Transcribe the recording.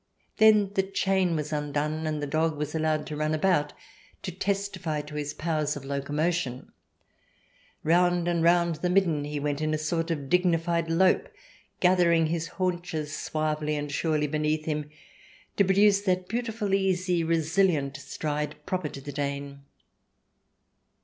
Then the chain was undone, and the dog was allowed to run about to testify to his powers of locomotion. Round and round the midden he went, in a sort of dignified " lope," gathering his haunches I90 THE DESIRABLE ALIEN [ch. xiv suavely and surely beneath him to produce that beautiful, easy, resilient stride proper to the Dane.